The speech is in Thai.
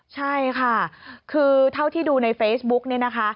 ใช่ค่ะคือเท่าที่ดูในเฟซบุ๊ค